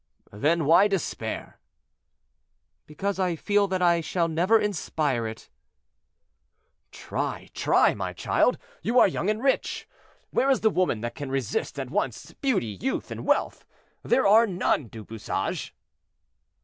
"—"Then why despair?" "Because I feel that I shall never inspire it." "Try, try, my child; you are young and rich. Where is the woman that can resist at once beauty, youth and wealth? There are none, Du Bouchage."